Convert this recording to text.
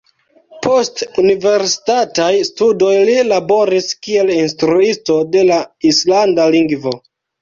Post universitataj studoj li laboris kiel instruisto de la islanda lingvo.